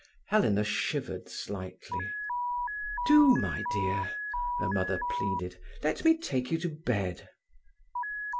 Helena shivered slightly. "Do, my dear," her mother pleaded. "Let me take you to bed."